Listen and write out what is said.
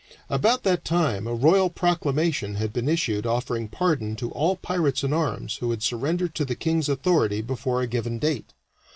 About that time a royal proclamation had been issued offering pardon to all pirates in arms who would surrender to the king's authority before a given date.